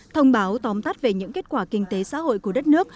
thông báo tóm tắt về những kết quả kinh tế xã hội của đất nước